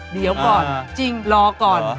เดี๋ยวก่อนจริงรอก่อน